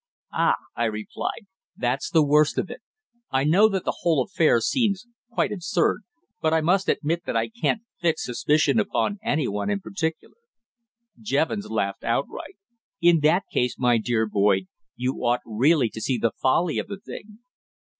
"Ah!" I replied. "That's the worst of it. I know that the whole affair seems quite absurd, but I must admit that I can't fix suspicion upon anyone in particular." Jevons laughed outright. "In that case, my dear Boyd, you ought really to see the folly of the thing."